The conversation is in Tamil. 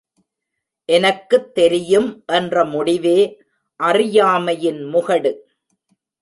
எனக்குத் தெரியும் என்ற முடிவே அறியாமையின் முகடு.